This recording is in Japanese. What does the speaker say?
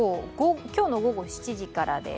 今日の午後７時からです。